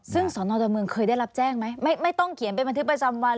ซึ่งสอนอดอนเมืองเคยได้รับแจ้งไหมไม่ต้องเขียนเป็นบันทึกประจำวัน